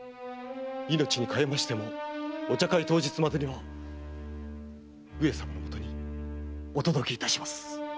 命にかえましてもお茶会当日までには上様の許にお届けいたします。